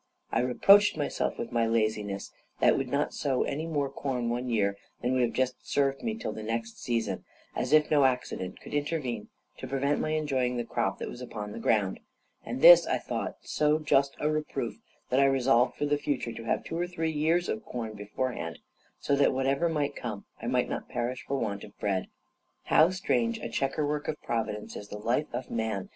I reproached myself with my laziness, that would not sow any more corn one year than would just serve me till the next season, as if no accident could intervene to prevent my enjoying the crop that was upon the ground; and this I thought so just a reproof, that I resolved for the future to have two or three years' corn beforehand; so that, whatever might come, I might not perish for want of bread. How strange a chequer work of Providence is the life of man!